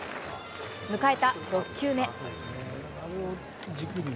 迎えた６球目。